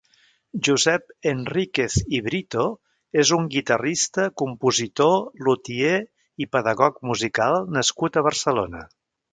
Josep Henríquez i Brito és un guitarrista, compositor, lutier i pedagog musical nascut a Barcelona.